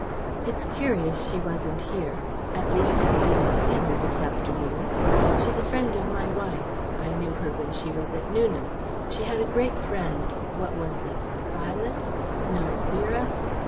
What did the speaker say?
It's curious she wasn't here At least I didn't see her this afternoon. She's a friend of my wife's. I knew her when she was at Newnham. She had a great friend what was it? Violet? No, Vera?